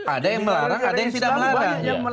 ada yang melarang ada yang tidak melarang